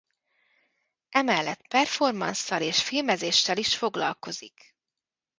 Emellett performansszal és filmezéssel is foglalkozik.